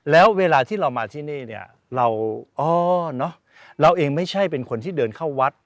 แล้วเวลาที่เรามาที่นี่เราเองไม่ใช่เป็นคนที่เดินเข้าวัด